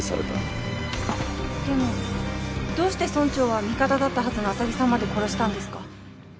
でもどうして村長は味方だったはずの浅木さんまで殺したんですか？